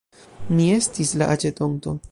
Mi estis la aĉetonto.